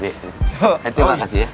ayo terima kasih ya